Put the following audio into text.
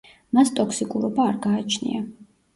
მას ტოქსიკურობა არ გააჩნია.